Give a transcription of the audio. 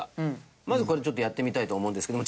まずこれちょっとやってみたいと思うんですけども。